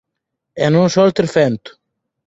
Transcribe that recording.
E non soltes fento!